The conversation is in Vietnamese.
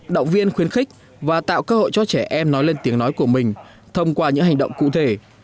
động viên khuyên khích và tạo cơ hội cho trẻ em nói lên tiếng nói của mình thông qua những hành động cụ thể